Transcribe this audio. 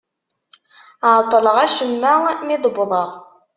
Ԑeṭṭleɣ acemma mi d-wwḍeɣ...